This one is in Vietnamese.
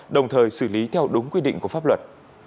đồng thời xử lý theo đúng quy định của pháp luật